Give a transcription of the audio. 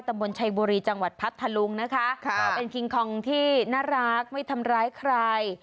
บนชัยบุรีจังหวัดพัทธลุงนะคะเป็นคิงคองที่น่ารักไม่ทำร้ายใคร